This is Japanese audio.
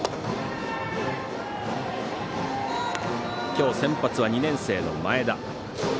今日、先発は２年生の前田。